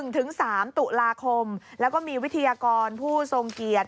ถึง๓ตุลาคมแล้วก็มีวิทยากรผู้ทรงเกียรติ